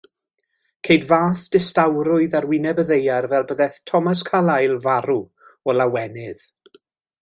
Ceid fath ddistawrwydd ar wyneb y ddaear fel byddai Thomas Carlyle farw o lawenydd.